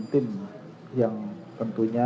tim yang tentunya